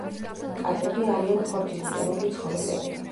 კატები არიან ხორცისმჭამელი ცხოველები.